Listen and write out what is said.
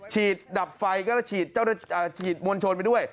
ฉีดดับไฟก็เลยฉีดมวลชนไปด้วย